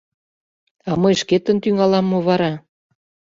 — А мый шкетын тӱҥалам мо вара!..